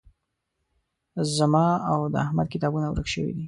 زما او د احمد کتابونه ورک شوي دي